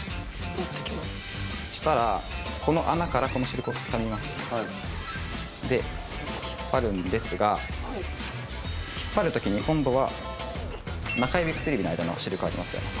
持ってきますしたらこの穴からこのシルクをつかみますで引っ張るんですが引っ張る時に今度は中指薬指の間のシルクありますよね